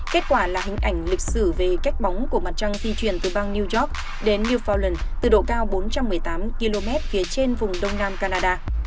kết quả là hình ảnh lịch sử về cách bóng của mặt trăng di chuyển từ bang new york đến new felland từ độ cao bốn trăm một mươi tám km phía trên vùng đông nam canada